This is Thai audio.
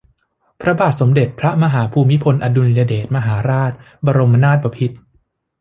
พระบาทสมเด็จพระมหาภูมิพลอดุลยเดชมหาราช บรมนาถบพิตร